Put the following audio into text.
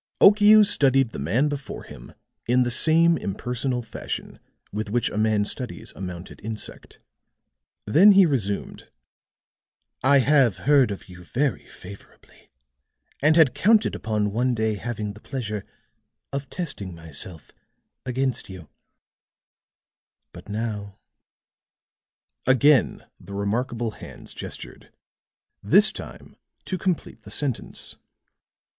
Okiu studied the man before him in the same impersonal fashion with which a man studies a mounted insect, then he resumed: "I have heard of you very favorably, and had counted upon one day having the pleasure of testing myself against you; but now " again the remarkable hands gestured, this time to complete the sentence.